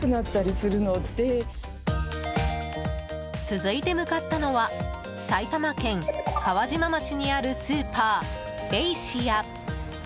続いて向かったのは埼玉県川島町にあるスーパー、ベイシア。